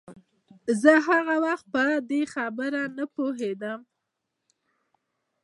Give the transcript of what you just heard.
زه هغه وخت په دې خبره نه پوهېدم.